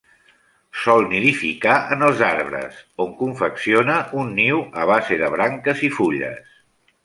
Sol nidificar en els arbres, on confecciona un niu a base de branques i fulles.